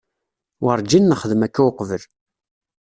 Werǧin nexdem akka uqbel.